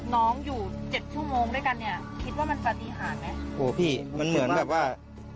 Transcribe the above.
น้องอยู่เจ็ดชั่วโมงด้วยกันเนี่ยคิดว่ามันปฏิหารไหมโหพี่มันเหมือนแบบว่า